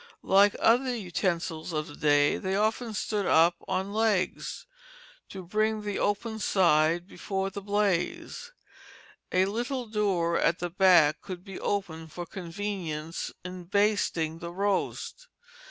Like other utensils of the day, they often stood up on legs, to bring the open side before the blaze. A little door at the back could be opened for convenience in basting the roast.